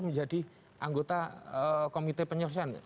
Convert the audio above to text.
menjadi anggota komite penyelesaian